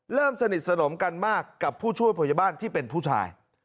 เริ่มสนิทสนมกันมากกับผู้ช่วยผู้ใหญ่บ้านที่เป็นผู้ชาย